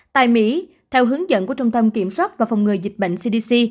tại mỹ theo hướng dẫn của trung tâm kiểm soát và phòng ngừa dịch bệnh cdc